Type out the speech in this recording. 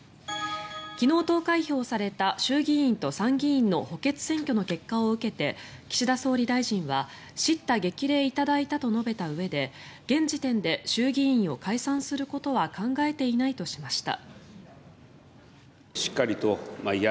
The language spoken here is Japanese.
昨日、投開票された衆議院と参議院の補欠選挙の結果を受けて岸田総理大臣は叱咤激励頂いたと述べたうえで現時点で衆議院を解散することは考えていないとしました。